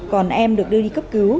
còn em được đưa đi cấp cứu